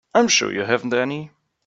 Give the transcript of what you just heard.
I'm sure you haven't any.